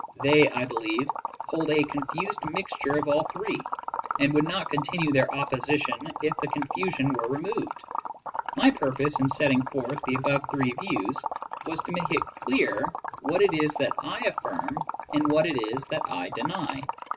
They, I believe, hold a confused mixture of all three, and would not continue their opposition if the confusion were removed. My purpose in setting forth the above three views was to make it clear what it is that I affirm, and what it is that I deny.